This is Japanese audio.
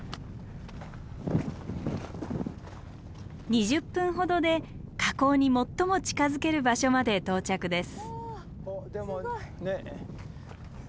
２０分ほどで火口に最も近づける場所まで到着です。